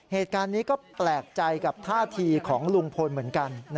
เหตุการณ์นี้ก็แปลกใจกับท่าทีของลุงพลเหมือนกัน